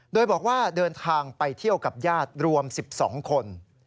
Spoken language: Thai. โดยบอกว่าเดินทางไปเที่ยวกับญาติรวม๑๒คน